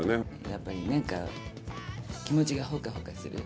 やっぱり何か気持ちがホカホカする。